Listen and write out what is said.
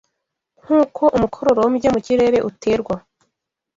Nk’uko umukororombya mu kirere uterwa